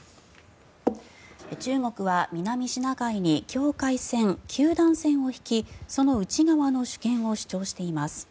中国は南シナ海に境界線、九段線を引きその内側の主権を主張しています。